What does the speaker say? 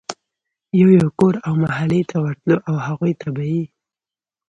يو يو کور او محلې ته ورتلو او هغوی ته به ئي